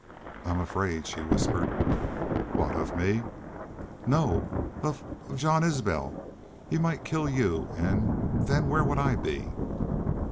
"I'm afraid," she whispered. "What of? Me?" "No. Of of Jean Isbel. He might kill y'u and then where would I be?"